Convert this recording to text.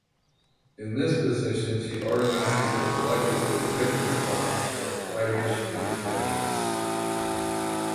In this position she organised and collected for the "victory fund" for Irish independence.